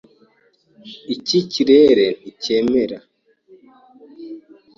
Iki kirere nticyemera.